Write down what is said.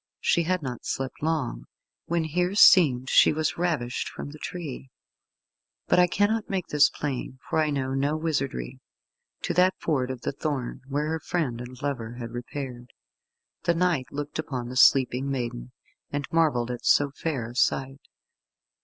She had not slept long, when herseemed she was ravished from the tree but I cannot make this plain for I know no wizardry to that Ford of the Thorn, where her friend and lover had repaired. The knight looked upon the sleeping maiden, and marvelled at so fair a sight.